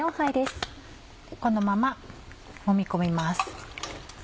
このままもみ込みます。